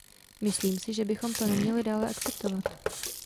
Myslím si, že bychom to neměli dále akceptovat.